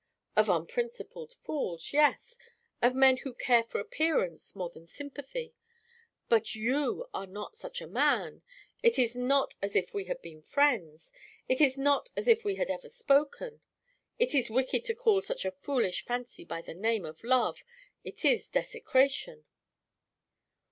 "Of unprincipled fools, yes of men who care for appearance more than sympathy. But you are not such a man! It is not as if we had been friends; it is not as if we had ever spoken. It is wicked to call such a foolish fancy by the name of love; it is desecration."